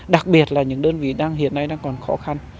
đặc biệt là những đơn vị hiện nay đang còn khó khăn